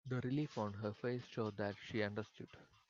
The relief on her face showed that she understood.